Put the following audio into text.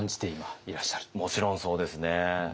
もちろんそうですね。